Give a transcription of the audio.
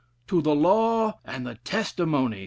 'To the law and the testimony.'"